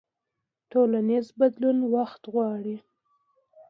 ټولنیز بدلون وخت غواړي.